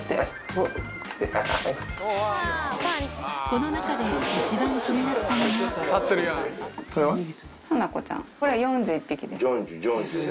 この中で一番気になったのがこれは４１匹です。